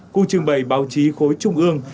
khu trưng bày báo chí khối trung ương